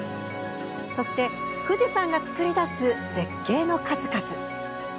そして富士山が作り出す絶景の数々。